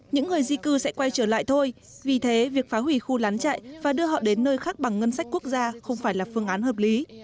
những người di cư sẽ quay trở lại thôi vì thế việc phá hủy khu lán chạy và đưa họ đến nơi khác bằng ngân sách quốc gia không phải là phương án hợp lý